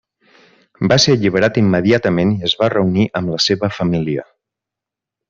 Va ser alliberat immediatament i es va reunir amb la seva família.